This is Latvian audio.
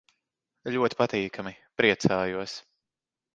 Ļoti patīkami. Priecājos.